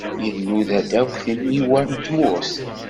Inuda-d akk timiwa n tmurt.